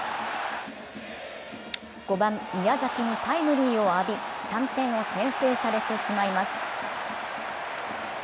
５番・宮崎にタイムリーを浴び３点を先制されてしまいます。